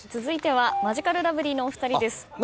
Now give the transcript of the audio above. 続いてはマヂカルラブリーのお二人です。